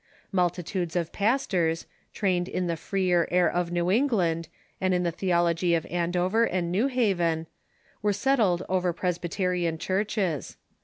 Multitudes of pastors, trained in the freer air of New England and in the theology of Andover and New Haven, were settled over Pres byterian churches.